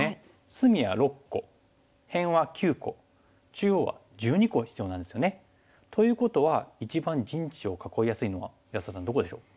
隅は６個辺は９個中央は１２個必要なんですよね。ということは一番陣地を囲いやすいのは安田さんどこでしょう？